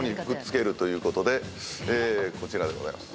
こちらでございます。